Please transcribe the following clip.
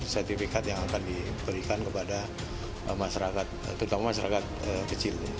sertifikat yang akan diberikan kepada masyarakat terutama masyarakat kecil